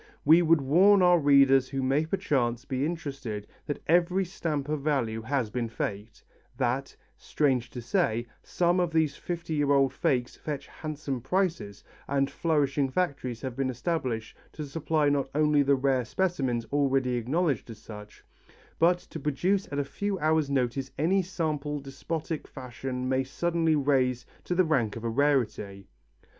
We would warn our readers who may perchance be interested, that every stamp of value has been faked, that, strange to say, some of these fifty year old fakes fetch handsome prices and flourishing factories have been established to supply not only the rare specimens already acknowledged as such, but to produce at a few hours' notice any sample despotic fashion may suddenly raise to the rank of a rarity.